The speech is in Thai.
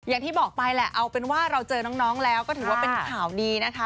อย่างที่บอกไปแหละเอาเป็นว่าเราเจอน้องแล้วก็ถือว่าเป็นข่าวดีนะคะ